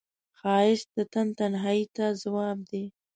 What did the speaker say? ښایست د تن تنهایی ته ځواب دی